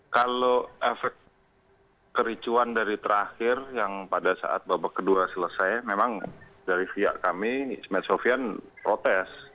kalau efek kericuan dari terakhir yang pada saat babak kedua selesai memang dari via kami ismed sofian protes